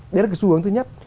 đấy là cái xu hướng thứ nhất